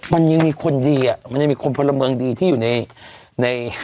มันยังมีคนดีอ่ะมันยังมีคนพลเมืองดีที่อยู่ในใน